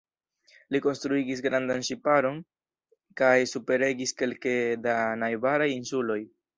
Li konstruigis grandan ŝiparon kaj superregis kelke da najbaraj insuloj.